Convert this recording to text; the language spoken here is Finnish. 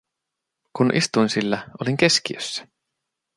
Kun istuin sillä, olin keskiössä.